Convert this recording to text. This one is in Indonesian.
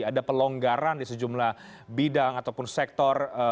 ada pelonggaran di sejumlah bidang ataupun sektor